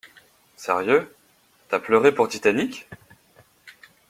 Sérieux? T'as pleuré pour Titanic ?